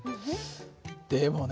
でもね